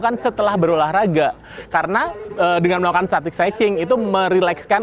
kan setelah berolahraga karena dengan melakukan static stretching itu merilekskan